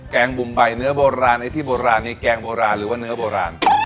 งบุ่มใบเนื้อโบราณไอ้ที่โบราณในแกงโบราณหรือว่าเนื้อโบราณ